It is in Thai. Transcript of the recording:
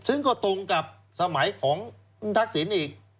ซึ่งก็ตรงกับสมัยของคุณทักษิณอีก